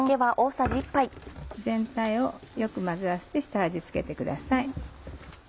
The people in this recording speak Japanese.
全体をよく混ぜ合わせて下味付けてください。